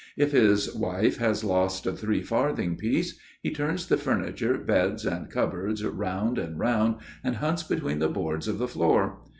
If his wife has lost a three farthing piece, he turns the furniture, beds, and cupboards round and round, and hunts between the boards of the floor.